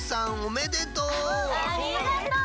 ありがとう！